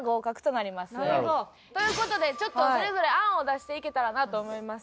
なるほど。という事でちょっとそれぞれ案を出していけたらなと思います。